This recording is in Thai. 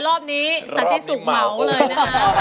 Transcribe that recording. รอบนี้สันติสุขเหมาเลยนะคะ